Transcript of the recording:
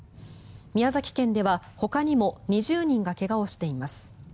宮崎県では、ほかにも２０人が怪我をしています。